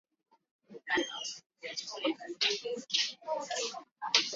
wagonjwa waliyofuata masharti waliongeza muda wao wa kuishi